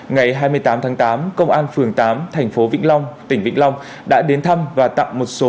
ngày hai mươi tám tháng tám công an phường tám thành phố vĩnh long tỉnh vĩnh long đã đến thăm và tặng một số